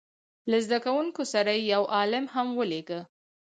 له زده کوونکو سره یې یو عالم هم ولېږه.